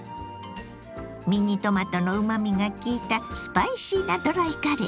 ミニトマトのうまみが効いたスパイシーなドライカレー。